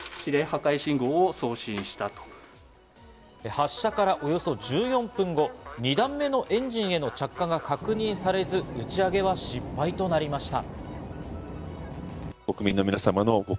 発射からおよそ１４分後、２段目のエンジンへの着火が確認されず、打ち上げは失敗となりました。